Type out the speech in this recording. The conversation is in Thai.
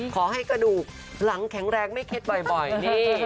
ขอให้กระดูกหลังแข็งแรงไม่เข็ดบ่อยนี่